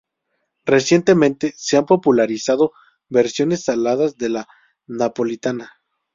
Recientemente se han popularizado versiones saladas de la napolitana.